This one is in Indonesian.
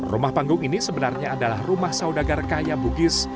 rumah panggung ini sebenarnya adalah rumah saudagar kaya bugis